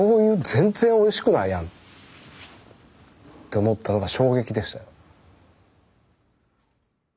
全然おいしくないやんって思ったのが衝撃でしたよ。